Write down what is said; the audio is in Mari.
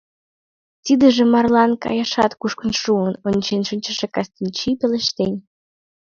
«Тидыже марлан каяшат кушкын шуын», — ончен шинчыше Кыстынчий пелештен.